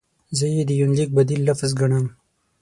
زه یې د یونلیک بدیل لفظ ګڼم.